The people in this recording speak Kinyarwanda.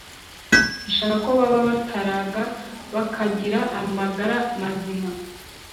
Ishaka ko baba bataraga bakagira amagara mazima